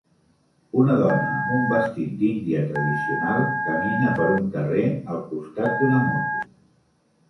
Una dona amb un vestit d'Índia tradicional camina per un carrer al costat d'una moto.